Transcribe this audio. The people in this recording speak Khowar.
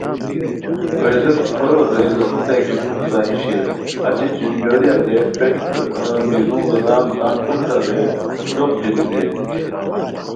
ویزو پھیرو درے لوڑیتائے کی پُھک ځاہی شیر اچی چینڈوریہ درے پیݯ بیرو ویزان تان پروشٹہ درے ڈوق دیرو بیرائے